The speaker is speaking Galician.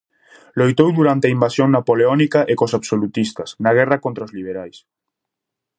Loitou durante a invasión napoleónica e cos absolutistas, na guerra contra os liberais.